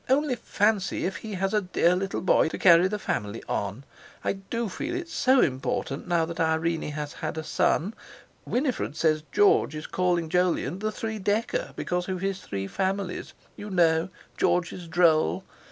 Only fancy if he has a dear little boy, to carry the family on! I do feel it so important, now that Irene has had a son. Winifred says George is calling Jolyon 'The Three Decker,' because of his three families, you know! George is droll.